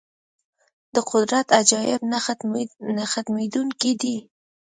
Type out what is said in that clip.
د قدرت عجایب نه ختمېدونکي دي.